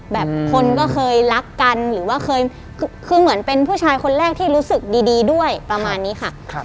แบบคนก็เคยรักกันหรือว่าเคยคือเหมือนเป็นผู้ชายคนแรกที่รู้สึกดีด้วยประมาณนี้ค่ะ